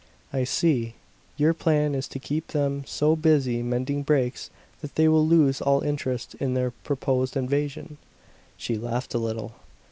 "I see. Your plan is to keep them so busy mending breaks that they will lose all interest in their proposed invasion." She laughed a little.